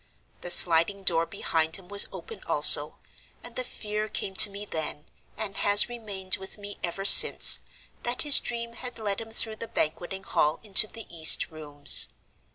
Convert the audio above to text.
The sliding door behind him was open also; and the fear came to me then, and has remained with me ever since, that his dream had led him through the Banqueting Hall into the east rooms.